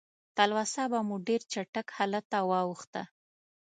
تلوسه به مو ډېر چټک حالت ته واوښته.